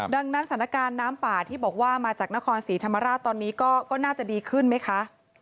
ดังนั้นสถานการณ์น้ำป่าที่บอกว่ามาจากนครศรีธรรมราชตอนนี้ก็น่าจะดีขึ้นไหมคะ